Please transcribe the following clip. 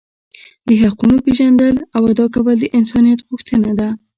د حقونو پیژندل او ادا کول د انسانیت غوښتنه ده.